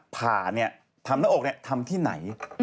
ผ่าทำหน้าอกทำที่ไหน